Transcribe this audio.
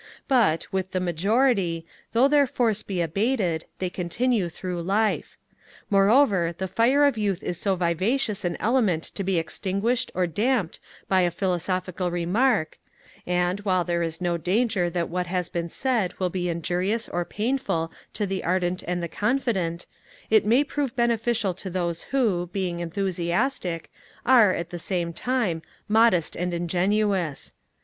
But, with the majority, though their force be abated, they continue through life. Moreover, the fire of youth is too vivacious an element to be extinguished or damped by a philosophical remark; and, while there is no danger that what has been said will be injurious or painful to the ardent and the confident, it may prove beneficial to those who, being enthusiastic, are, at the same time, modest and ingenuous.